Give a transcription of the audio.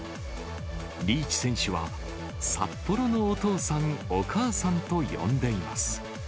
リーチ選手は、札幌のお父さん、お母さんと呼んでいます。